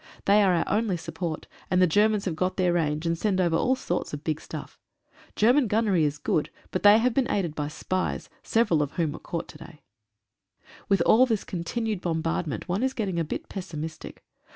They are our only support, and the Ger mans have got their range, and send over all sorts of big stuff. German gunnery is good, but they have been aided by spies — several of whom were caught to day. 63 SOME QUESTIONS. With all this continued bombardment one is getting a bit pessimistic.